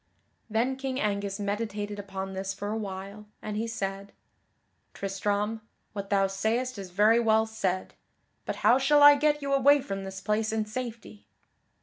Then King Angus meditated upon this for a while, and he said: "Tristram, what thou sayest is very well said, but how shall I get you away from this place in safety?"